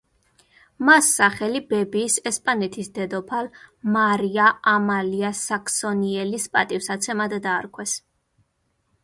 მას სახელი ბებიის, ესპანეთის დედოფალ მარია ამალია საქსონიელის პატივსაცემად დაარქვეს.